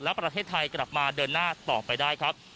และประเทศไทยกลับมาเดินหน้าต่อไปได้ครับ